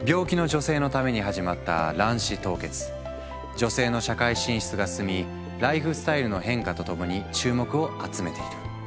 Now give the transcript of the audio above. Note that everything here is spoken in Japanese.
女性の社会進出が進みライフスタイルの変化とともに注目を集めている。